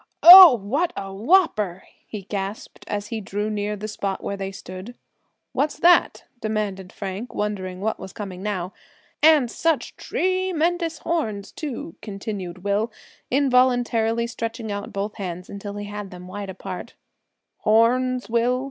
"Oh! what a whopper!" he gasped, as he drew near the spot where they stood. "What's that?" demanded Frank, wondering what was coming now. "And such tre mendous horns, too!" continued Will, involuntarily stretching out both hands until he had them wide apart. "Horns, Will?"